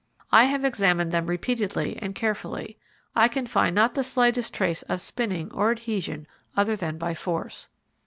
I have examined them repeatedly and carefully. I can find not the slightest trace of spinning or adhesion other than by force.